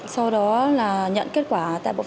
sau đó là nhận kết quả